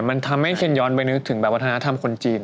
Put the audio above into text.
มันทำให้เซ็นย้อนไปนึกถึงแบบวัฒนธรรมคนจีน